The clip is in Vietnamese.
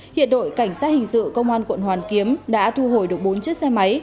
hiện đội cảnh sát hình sự công an quận hoàn kiếm đã thu hồi được bốn chiếc xe máy